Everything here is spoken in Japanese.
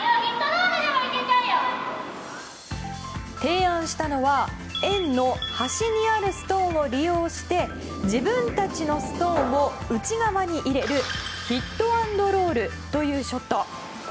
提案したのは円の端にあるストーンを利用して自分たちのストーンを内側に入れるヒット＆ロールというショット。